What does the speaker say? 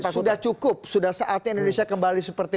sudah cukup sudah saatnya indonesia kembali seperti